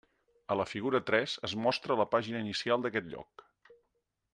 A la figura tres es mostra la pàgina inicial d'aquest lloc.